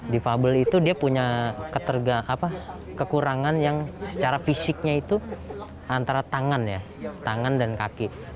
defable itu dia punya kekurangan yang secara fisiknya itu antara tangan ya tangan dan kaki